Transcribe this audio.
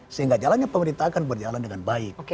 sehingga jalannya pemerintah akan berjalan dengan baik